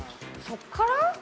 そっから？